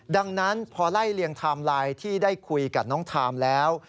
ดังนั้นพอไล่เลี่ยงไทม์ไลน์ที่ได้คุยกับน้องทามแล้ว